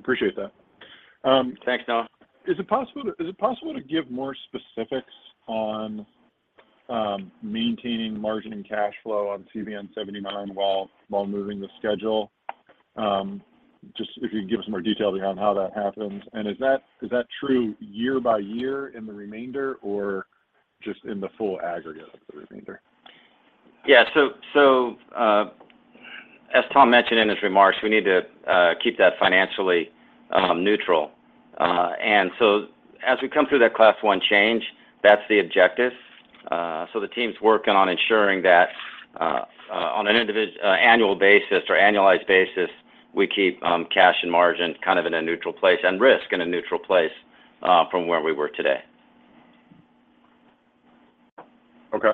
S13: Appreciate that.
S3: Thanks, Noah.
S13: Is it possible to give more specifics on maintaining margin and cash flow on CVN-79 while moving the schedule? Just if you could give us more details around how that happens. Is that true year by year in the remainder or just in the full aggregate of the remainder?
S3: As Tom mentioned in his remarks, we need to keep that financially neutral. As we come through that Class I change, that's the objective. The team's working on ensuring that on an annual basis or annualized basis, we keep cash and margin kind of in a neutral place and risk in a neutral place from where we were today.
S13: Okay.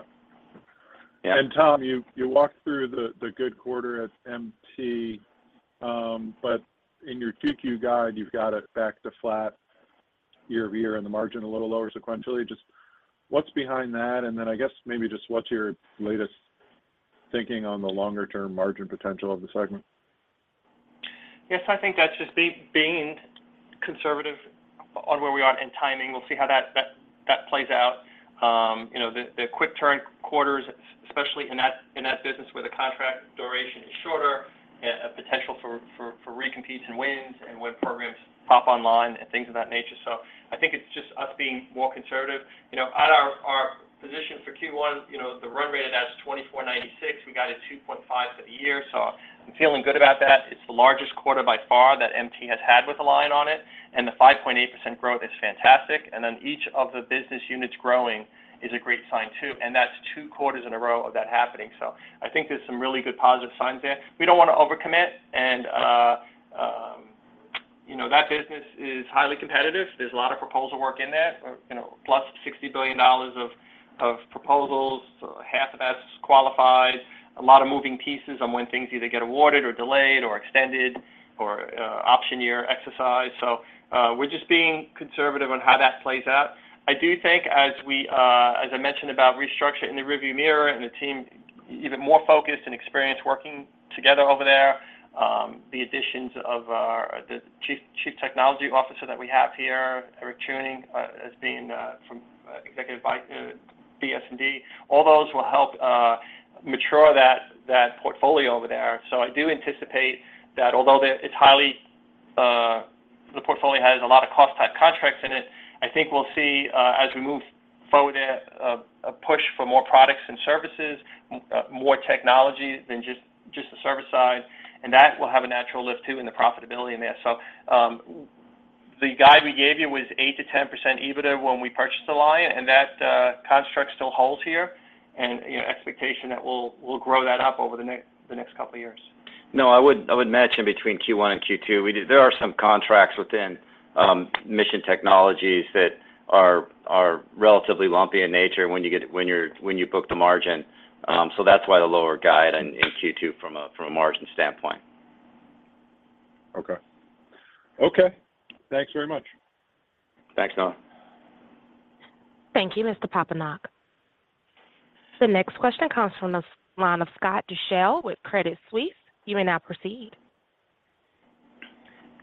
S3: Yeah.
S13: Tom, you walked through the good quarter at MT. In your 2Q guide, you've got it back to flat year-over-year and the margin a little lower sequentially. Just what's behind that? Then I guess maybe just what's your latest thinking on the longer term margin potential of the segment?
S4: Yes, I think that's just being conservative on where we are in timing. We'll see how that plays out. You know, the quick turn quarters, especially in that business where the contract duration is shorter, a potential for recompetes and wins and when programs pop online and things of that nature. I think it's just us being more conservative. You know, at our position for Q1, the run rate of that is $2,496. We got a $2.5 for the year, so I'm feeling good about that. It's the largest quarter by far that MT has had with a line on it, and the 5.8% growth is fantastic. Each of the business units growing is a great sign, too, and that's 2 quarters in a row of that happening. I think there's some really good positive signs there. We don't wanna over-commit and, you know, that business is highly competitive. There's a lot of proposal work in that, you know, plus $60 billion of proposals. Half of that's qualified. A lot of moving pieces on when things either get awarded or delayed or extended or option year exercise. We're just being conservative on how that plays out. I do think as we, as I mentioned about restructure in the rearview mirror and the team even more focused and experienced working together over there, the additions of our, the chief technology officer that we have here, Eric Chewning, as being, from executive vice, BS&D. All those will help mature that portfolio over there. I do anticipate that although the... It's highly, the portfolio has a lot of cost type contracts in it, I think we'll see, as we move forward, a push for more products and services, more technology than just the service side, and that will have a natural lift, too, in the profitability in that. The guide we gave you was 8%-10% EBITDA when we purchased the line, and that construct still holds here and, you know, expectation that we'll grow that up over the next couple of years.
S3: I would mention between Q1 and Q2, there are some contracts within Mission Technologies that are relatively lumpy in nature when you book the margin. That's why the lower guide in Q2 from a margin standpoint.
S13: Okay. Okay. Thanks very much.
S3: Thanks, Noah.
S1: Thank you, Noah Poponak. The next question comes from the line of Scott Deuschle with Credit Suisse. You may now proceed.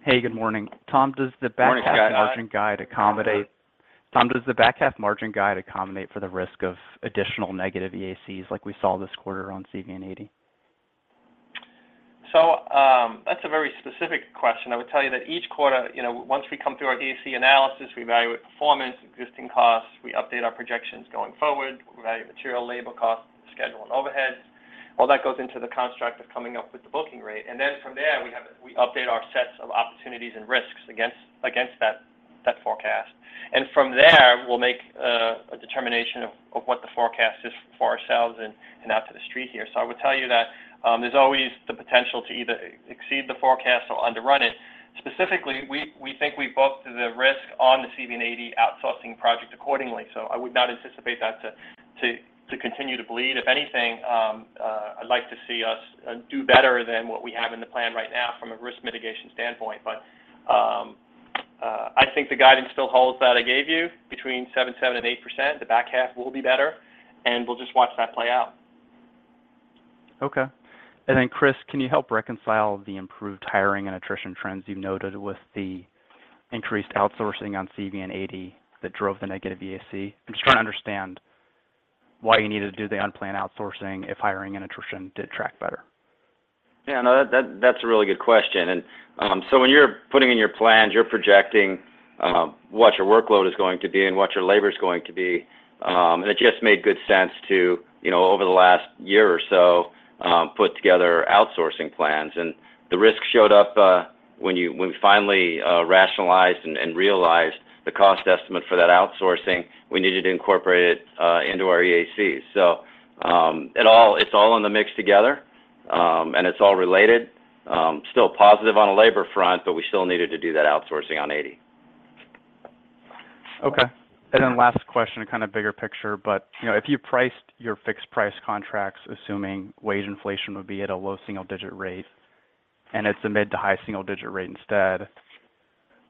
S14: Hey, good morning. Tom, does the back half.
S3: Morning, Scott....
S14: margin guide Tom, does the back half margin guide accommodate for the risk of additional negative EACs like we saw this quarter on CVN-80?
S4: That's a very specific question. I would tell you that each quarter, you know, once we come through our EAC analysis, we evaluate performance, existing costs, we update our projections going forward. We evaluate material, labor costs, schedule and overheads. All that goes into the construct of coming up with the booking rate. Then from there we update our sets of opportunities and risks against that forecast. From there, we'll make a determination of what the forecast is for ourselves and out to the street here. I would tell you that there's always the potential to either exceed the forecast or under run it. Specifically, we think we booked the risk on the CVN-80 outsourcing project accordingly. I would not anticipate that to continue to bleed. If anything, I'd like to see us do better than what we have in the plan right now from a risk mitigation standpoint. I think the guidance still holds that I gave you between 7.7% and 8%. The back half will be better, and we'll just watch that play out.
S14: Okay. Chris, can you help reconcile the improved hiring and attrition trends you've noted with the increased outsourcing on CVN-80 that drove the negative EAC? I'm just trying to understand why you needed to do the unplanned outsourcing if hiring and attrition did track better.
S3: Yeah, no, that, that's a really good question. When you're putting in your plans, you're projecting what your workload is going to be and what your labor is going to be. It just made good sense to, you know, over the last year or so, put together outsourcing plans. The risk showed up when we finally rationalized and realized the cost estimate for that outsourcing, we needed to incorporate it into our EAC. It's all in the mix together. It's all related. Still positive on a labor front, but we still needed to do that outsourcing on 80.
S14: Okay. Last question, kind of bigger picture. You know, if you priced your fixed price contracts assuming wage inflation would be at a low single digit rate, and it's a mid to high single digit rate instead,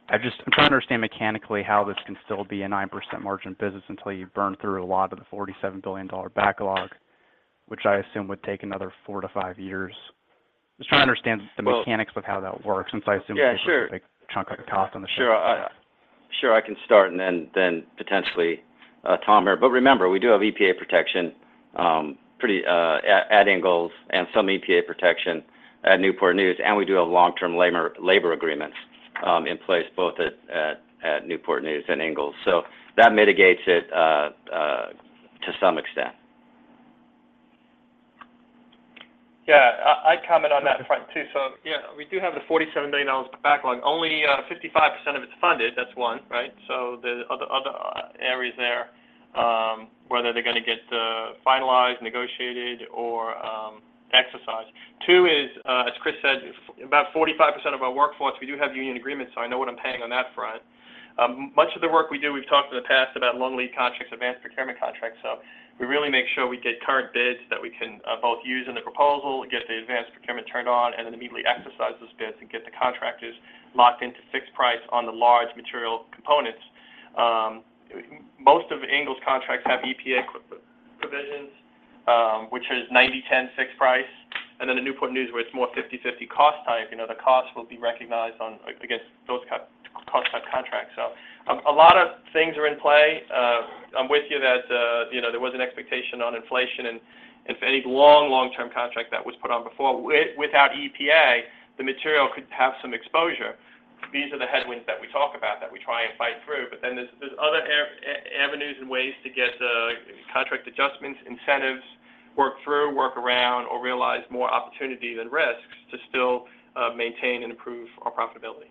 S14: I'm trying to understand mechanically how this can still be a 9% margin business until you burn through a lot of the $47 billion backlog, which I assume would take another 4 to 5 years. Just trying to understand the mechanics of how that works since I assume-
S3: Yeah, sure.
S14: a big chunk of the cost on the ship.
S3: Sure. Sure, I can start and then potentially, Tom here. Remember, we do have EPA protection, pretty, at Ingalls and some EPA protection at Newport News, and we do have long-term labor agreements, in place both at Newport News and Ingalls. That mitigates it, to some extent.
S4: I comment on that front too. We do have the $47 million backlog. Only 55% of it is funded. That's one, right? The other areas there, whether they're gonna get finalized, negotiated, or exercised. Two is, as Chris said, about 45% of our workforce, we do have union agreements, so I know what I'm paying on that front. Much of the work we do, we've talked in the past about long-lead contracts, advanced procurement contracts. We really make sure we get current bids that we can both use in the proposal, get the advanced procurement turned on, and then immediately exercise those bids and get the contractors locked into fixed price on the large material components. Most of Ingalls contracts have EPA provisions, which is 90/10 fixed price. The Newport News, where it's more 50/50 cost type, you know, the cost will be recognized against those type, cost type contracts. A lot of things are in play. I'm with you that, you know, there was an expectation on inflation. If any long-term contract that was put on before without EPA, the material could have some exposure. These are the headwinds that we talk about that we try and fight through. There's other avenues and ways to get contract adjustments, incentives, work through, work around, or realize more opportunities and risks to still maintain and improve our profitability.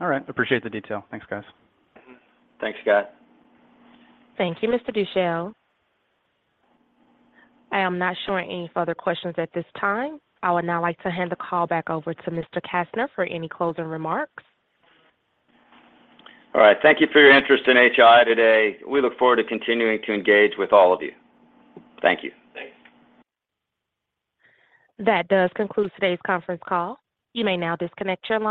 S14: All right. Appreciate the detail. Thanks, guys.
S3: Thanks, Scott.
S1: Thank you, David Strauss. I am not showing any further questions at this time. I would now like to hand the call back over to Mr. Kastner for any closing remarks.
S3: All right. Thank you for your interest in HII today. We look forward to continuing to engage with all of you. Thank you.
S4: Thanks.
S1: That does conclude today's conference call. You may now disconnect your line.